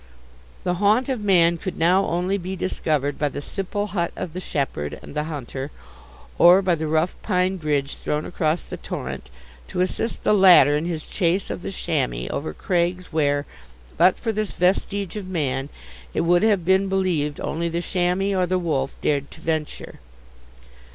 The haunt of man could now only be discovered by the simple hut of the shepherd and the hunter, or by the rough pine bridge thrown across the torrent, to assist the latter in his chase of the chamois over crags where, but for this vestige of man, it would have been believed only the chamois or the wolf dared to venture.